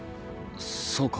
そうか。